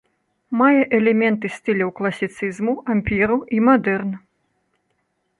Мае элементы стыляў класіцызму, ампіру і мадэрн.